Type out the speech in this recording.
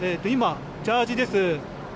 ジャージーです。